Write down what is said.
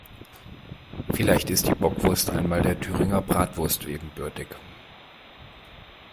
Vielleicht ist die Bockwurst einmal der Thüringer Bratwurst ebenbürtig.